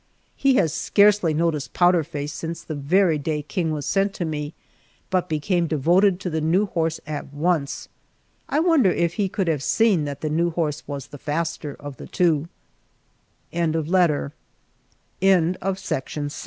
He has scarcely noticed Powder Face since the very day King was sent to me, but became devoted to the new horse at once. I wonder if he could have seen that the new horse was the faster of the two! FORT LYON, COLORADO TERRITORY, May, 1874. THERE is such g